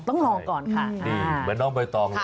ต้องลองก่อนค่ะดีแวดนอลเบอร์ตองค่ะ